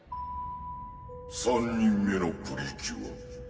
「３人目のプリキュア」